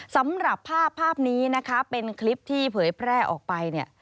สำหรับภาพภาพนี้นะคะเป็นคลิปที่เผยแพร่ออกไปเนี่ย